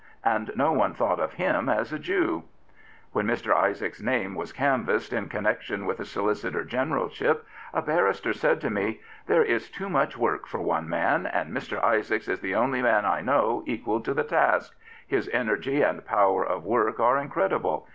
And no one thought of him as a Jew. i6i Prophets, Priests, and Kings When Mr. Isaacs' name was canvassed in con nection with the Solicitor Generalship, a barrister said to me: " There is too much work for one man, and Mr. Isaacs is the only man I know equal to the task. His energy and power of work are incredible.